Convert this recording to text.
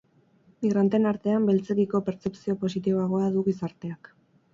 Migranteen artean, beltzekiko pertzepzio positiboagoa du gizarteak.